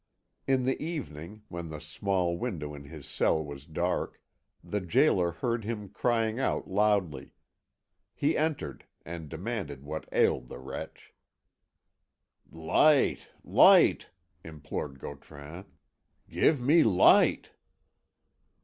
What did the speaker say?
In the evening, when the small window in his cell was dark, the gaoler heard him crying out loudly. He entered, and demanded what ailed the wretch. "Light light!" implored Gautran; "give me light!"